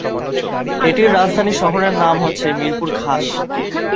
এটির রাজধানী শহরের নাম হচ্ছে মিরপুর খাস।